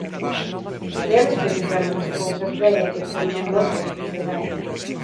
Cremos que fixemos as cousas ben e que temos a nosa oportunidade.